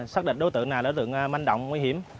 xác định đối tượng này là đối tượng manh động nguy hiểm